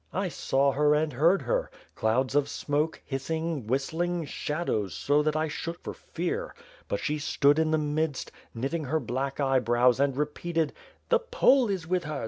"I saw her and heard her. Clouds of smoke, hissing, whist ling, shadows, so that I shook for fear. But she stood in the midst, knitting her black eye brows and repeated, 'The Pole is with her!